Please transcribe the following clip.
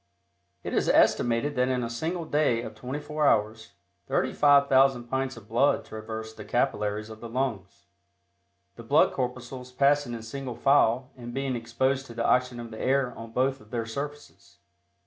It is estimated that in a single day of twenty four hours, 35,000 pints of blood traverse the capillaries of the lungs, the blood corpuscles passing in single file and being exposed to the oxygen of the air on both of their surfaces.